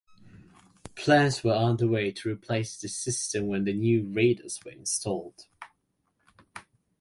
Plans were underway to replace this system when the new radars were installed.